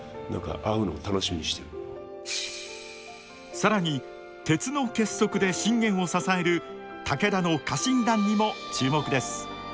更に鉄の結束で信玄を支える武田の家臣団にも注目です。